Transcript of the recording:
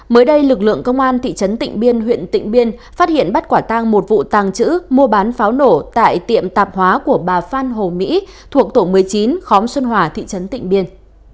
mới đây lực lượng công an thị trấn tịnh biên huyện tịnh biên phát hiện bắt quả tang một vụ tàng trữ mua bán pháo nổ tại tiệm tạp hóa của bà phan hồ mỹ thuộc tổ một mươi chín khóm xuân hòa thị trấn tịnh biên